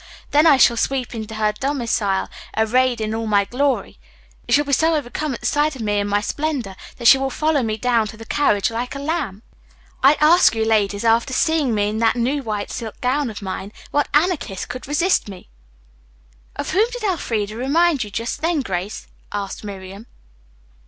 Then I shall sweep into her domicile, arrayed in all my glory. She will be so overcome at sight of me and my splendor that she will follow me down to the carriage like a lamb. I ask you, ladies, after seeing me in that new white silk gown of mine, what Anarchist could resist me?" "Of whom did Elfreda remind you just then, Grace?" asked Miriam.